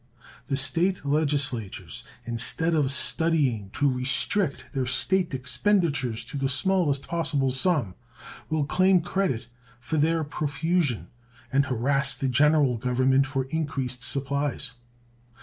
The State legislatures, instead of studying to restrict their State expenditures to the smallest possible sum, will claim credit for their profusion, and harass the General Government for increased supplies.